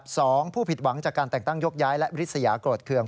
สองผู้ผิดหวังจากการแต่งตั้งยกย้ายและริสยาโกรธเครื่อง